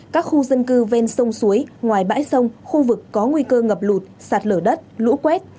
các khu dân cư ven sông suối ngoài bãi sông khu vực có nguy cơ ngập lụt sạt lở đất lũ quét